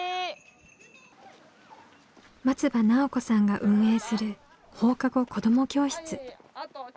松場奈緒子さんが運営する放課後子ども教室。